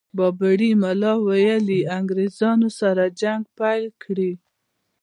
بابړي ملا ویلي انګرېزانو سره جنګ پيل کړي.